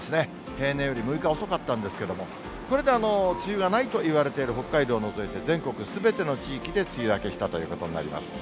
平年よりも６日遅かったんですけれども、これで梅雨がないといわれている北海道を除いて、全国すべての地域で梅雨明けしたということになります。